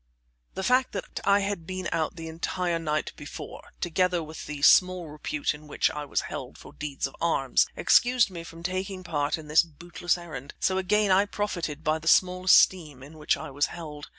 The fact that I had been out the entire night before, together with the small repute in which I was held for deeds of arms, excused me from taking part in this bootless errand, so again I profited by the small esteem in which I was held.